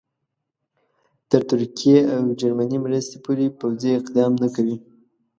تر ترکیې او جرمني مرستې پورې پوځي اقدام نه کوي.